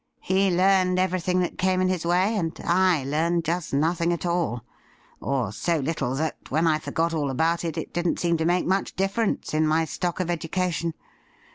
He learned everything that came in his way, and I learned just nothing at all, or so little that, when I forgot all about it, it didn't seem to make much difference in my stock of education.